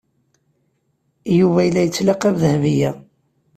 Yuba la yettlaqab Dahbiya.